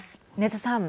禰津さん。